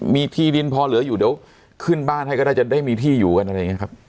มีที่ดินพอเหลืออยู่เดี๋ยวขึ้นบ้านให้ก็ได้จะได้มีที่อยู่กันอะไรอย่างนี้ครับ